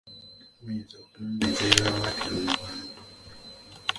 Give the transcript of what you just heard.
Muyinza okumumeza ebiwawaatiro mu bantu.